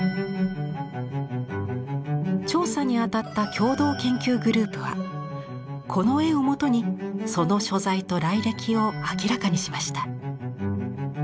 調査に当たった共同研究グループはこの絵をもとにその所在と来歴を明らかにしました。